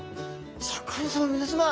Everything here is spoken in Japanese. シャーク香音さま皆さま